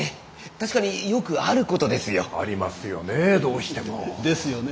確かによくあることですよ。ありますよねどうしても。ですよね。